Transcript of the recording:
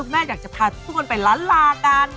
แม่อยากจะพาทุกคนไปล้านลากัน